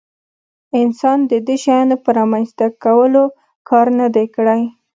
انسان د دې شیانو په رامنځته کولو کار نه دی کړی.